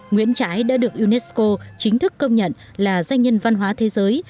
nguyễn trãi đã được unesco chính thức công nhận là danh nhân văn hóa thế giới